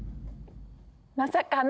まさかの。